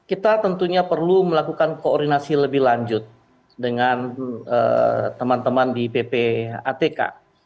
kita tentunya perlu melakukan koordinasi lebih lanjut dengan teman teman di ppatk